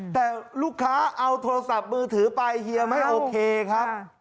แต่ลูกค้าเอาโทรศัพท์มือถือไปเฮียไม่โอเคครับ